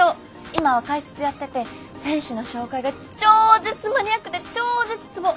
今は解説やってて選手の紹介が超絶マニアックで超絶ツボ！